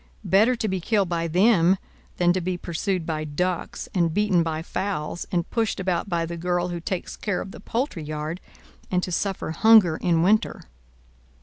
Better to be killed by them than to be pursued by ducks, and beaten by fowls, and pushed about by the girl who takes care of the poultry yard, and to suffer hunger in winter!"